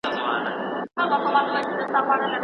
هغې یوازې مستعار نوم کارولی.